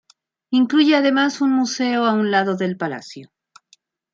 Incluye además un museo a un lado del palacio.